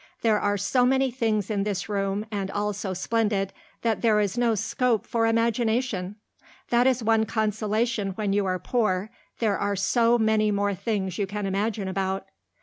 There are so many things in this room and all so splendid that there is no scope for imagination. That is one consolation when you are poor there are so many more things you can imagine about."